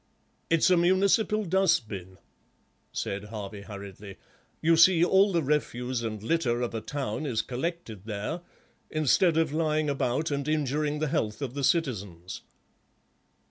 "It's a municipal dust bin," said Harvey hurriedly; "you see all the refuse and litter of a town is collected there, instead of lying about and injuring the health of the citizens."